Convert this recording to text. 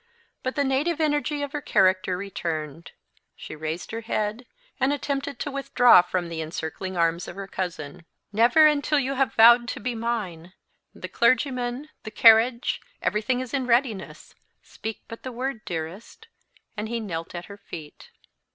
But the native energy of her character returned. She raised her head, and attempted to withdraw from the encircling arms of her cousin. "Never until you have vowed to be mine! The clergyman the carriage everything is in readiness. Speak but the word, dearest." And he knelt at her feet.